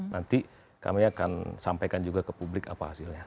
nanti kami akan sampaikan juga ke publik apa hasilnya